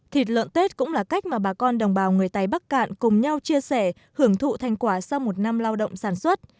thịt lợn tết cũng là cách mà bà con đồng bào người tây bắc cạn cùng nhau chia sẻ hưởng thụ thành quả sau một năm lao động sản xuất